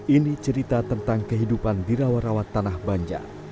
ini cerita tentang kehidupan di rawa rawa tanah banjar